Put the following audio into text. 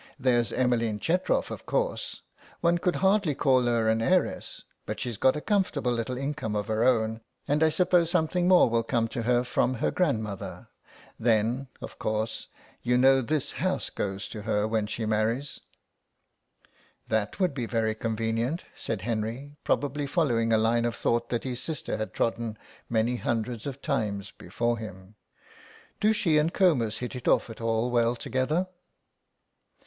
"There's Emmeline Chetrof of course. One could hardly call her an heiress, but she's got a comfortable little income of her own and I suppose something more will come to her from her grandmother. Then, of course, you know this house goes to her when she marries." "That would be very convenient," said Henry, probably following a line of thought that his sister had trodden many hundreds of times before him. "Do she and Comus hit it off at all well together?"